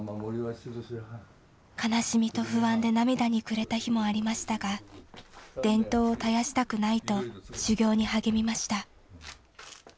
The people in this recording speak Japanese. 悲しみと不安で涙に暮れた日もありましたが伝統を絶やしたくないと修業に励みました。